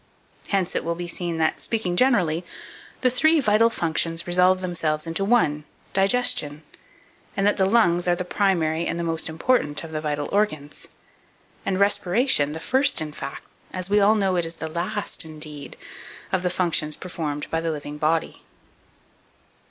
Hence it will be seen, that, speaking generally, the three vital functions resolve themselves into one, DIGESTION; and that the lungs are the primary and the most important of the vital organs; and respiration, the first in fact, as we all know it is the last in deed, of all the functions performed by the living body.